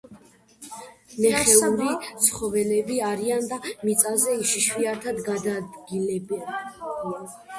მეხეური ცხოველები არიან და მიწაზე იშვიათად გადაადგილდებიან.